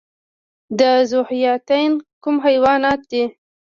ذوحیاتین کوم حیوانات دي؟